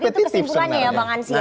iya ini kesimpulannya ya bang ansy ya